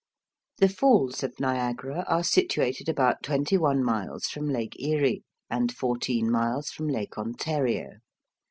The Falls of Niagara are situated about twenty one miles from Lake Erie, and fourteen miles from Lake Ontario.